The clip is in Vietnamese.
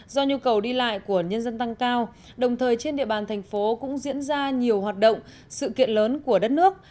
do nhu cầu đi lại của nhân dân tăng cao đồng thời trên địa bàn thành phố cũng diễn ra nhiều hoạt động sự kiện lớn của đất nước